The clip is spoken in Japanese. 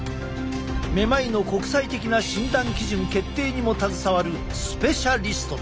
めまいの国際的な診断基準決定にも携わるスペシャリストだ！